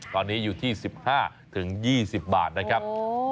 ตอนนี้อยู่ที่๑๕๒๐บาทนะครับ